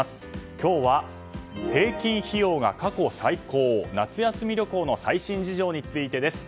今日は、平均費用が過去最高夏休み旅行の最新事情についてです。